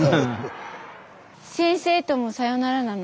先生ともさよならなの？